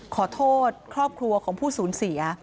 ขอโทษครอบครัวของผู้สูญเสีย